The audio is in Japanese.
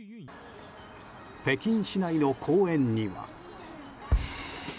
北京市内の公園には。